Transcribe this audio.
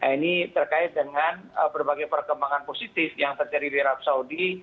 ini terkait dengan berbagai perkembangan positif yang terjadi di arab saudi